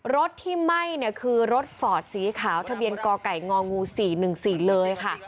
รถที่ไหม้เนี่ยคือรถฟอร์ดสีขาวทะเบียนกไก่ง๔๑๔เลยค่ะ